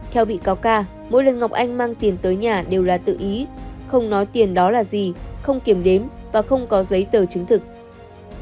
theo bị cáo ca mỗi lần ngọc anh mang tiền tới nhà đều là tự ý không nói tiền đó là gì không kiểm đếm và không có giấy tờ chứng thực